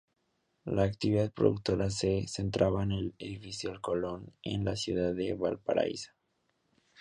La actividad productora se concentraba en el edificio Colón, en la ciudad de Valparaíso.